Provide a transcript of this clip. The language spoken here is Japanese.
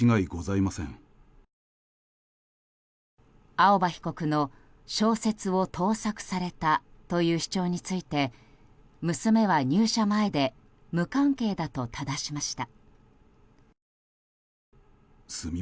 青葉被告の小説を盗作されたという主張について娘は入社前で無関係だとただしました。